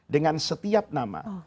dengan setiap nama